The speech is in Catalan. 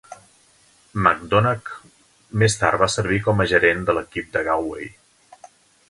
McDonagh més tard va servir com a gerent de l'equip de Galway.